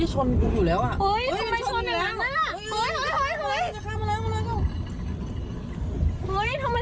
เฮ้ยไอ้